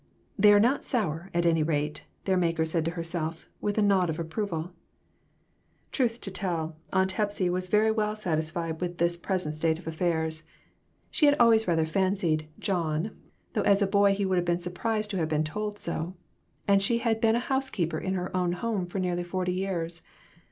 "They are not sour, at any rate," their maker said to herself, with a nod of approval. Truth to tell, Aunt Hepsy was very well satis 134 MORAL EVOLUTION. fied with the present state of affairs. She had always rather fancied "John" though as a boy he would have been surprised to have been told so and she had been a housekeeper in her own home for nearly forty years.